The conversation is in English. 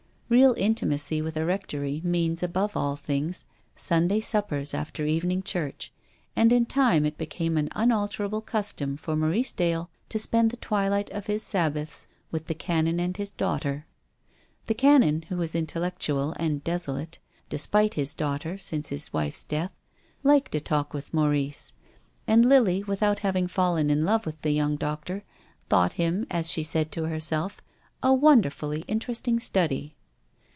Real intimacy with a Rectory means, above all things, Sunday suppers after evening church, and, in time, it became an unalterable custom for Maurice Dale to spend the twilight of his Sab baths with the Canon and his daughter. The Canon, who was intellectual and desolate, despite his daughter, since his wife's death, liked a talk with Maurice ; and Lily, without having fallen in love with the young doctor, thought him, as she said to herself, "a wonderfully interesting study."